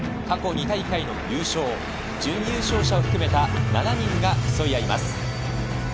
過去２大会の優勝、準優勝者を含めた７人が競い合います。